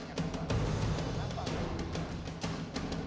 apakah itu benar menentang kesepakatan wade is bachelor di sip pas ke cha